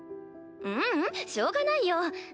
ううんしょうがないよ。